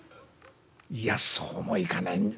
「いやそうもいかない。